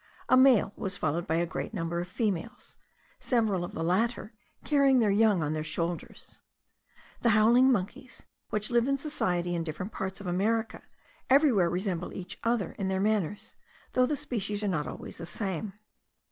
A male was followed by a great number of females; several of the latter carrying their young on their shoulders. The howling monkeys, which live in society in different parts of America, everywhere resemble each other in their manners, though the species are not always the same.